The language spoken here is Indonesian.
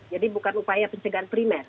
jadi bukan upaya pencegahan primer